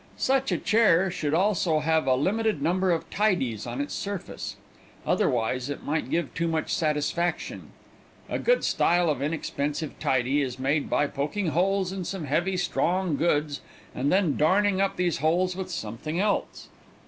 Such a chair should also have a limited number of tidies on its surface. Otherwise it might give too much satisfaction. A good style of inexpensive tidy is made by poking holes in some heavy, strong goods, and then darning up these holes with something else.